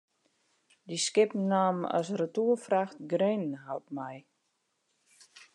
Dy skippen namen as retoerfracht grenenhout mei.